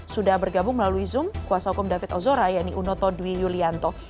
sudah bergabung melalui zoom kuasa hukum david ozora yanni unoto dwi yulianto